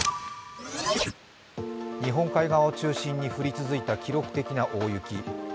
日本海側を中心に降り続いて記録的な大雪。